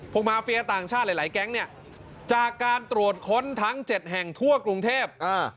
มาเฟียต่างชาติหลายแก๊งเนี่ยจากการตรวจค้นทั้ง๗แห่งทั่วกรุงเทพ